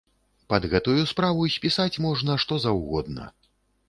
Пад гэтую справу спісаць можна што заўгодна.